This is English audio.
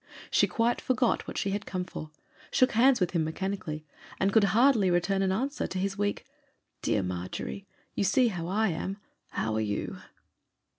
She quite forgot what she had come for, shook hands with him mechanically, and could hardly return an answer to his weak 'Dear Margery, you see how I am—how are you?